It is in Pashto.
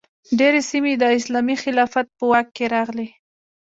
ډیرې سیمې د اسلامي خلافت په واک کې راغلې.